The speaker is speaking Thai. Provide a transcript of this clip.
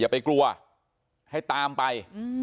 อย่าไปกลัวให้ตามไป